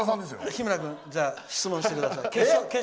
日村君、じゃあ質問してください。